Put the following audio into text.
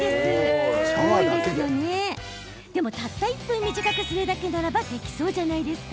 たった１分短くするだけならばできそうじゃない？